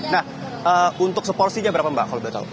nah untuk seporsinya berapa mbak kalau boleh tahu